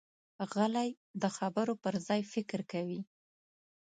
غلی، د خبرو پر ځای فکر کوي.